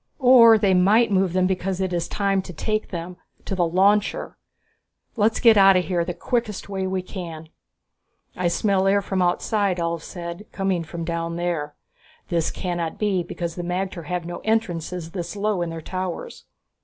"Or they might move them because it is time to take them to the launcher! Let's get out of here, the quickest way we can." "I smell air from outside," Ulv said, "coming from down there. This cannot be, because the magter have no entrances this low in their towers."